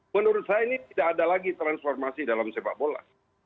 menurut saya ini tidak ada lagi transformasi dalam sepak bola